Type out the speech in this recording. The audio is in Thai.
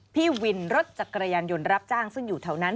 พี่วินรถจักรยานยนต์รับจ้างซึ่งอยู่แถวนั้น